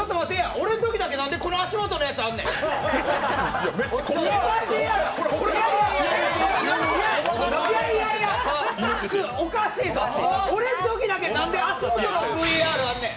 俺のときだけなんで足元のＶＡＲあんねん。